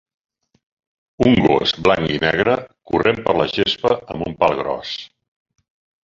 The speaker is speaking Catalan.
Un gos blanc i negre corrent per la gespa amb un pal gros.